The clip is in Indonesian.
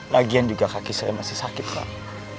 lagian juga kaki saya masih sakit pak